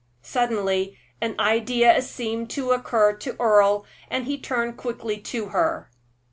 Suddenly an idea seemed to occur to Earle; he turned quickly to her.